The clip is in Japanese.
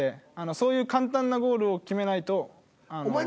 そういう簡単なゴールを決めないとあの。